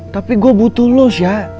tapi gue butuh lo syak